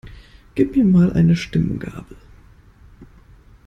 Gib mir mal eine Stimmgabel.